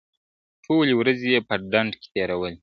• ټولي ورځي یې په ډنډ کي تېرولې -